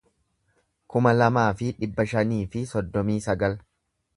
kuma lamaa fi dhibba shanii fi soddomii sagal